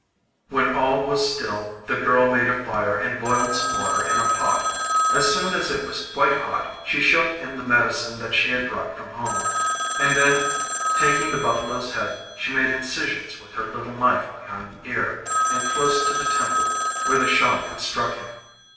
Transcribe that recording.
When all was still the girl made a fire and boiled some water in a pot. As soon as it was quite hot she shook in the medicine that she had brought from home, and then, taking the buffalo's head, she made incisions with her little knife behind the ear, and close to the temple where the shot had struck him.